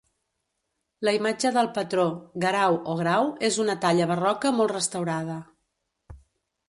La imatge del patró, Guerau o Grau, és una talla barroca molt restaurada.